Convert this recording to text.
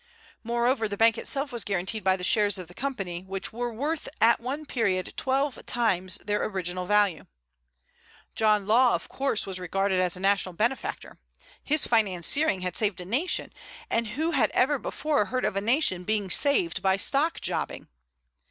Moreover, the bank itself was guaranteed by the shares of the Company, which were worth at one period twelve times their original value. John Law, of course, was regarded as a national benefactor. His financiering had saved a nation; and who had ever before heard of a nation being saved by stock jobbing?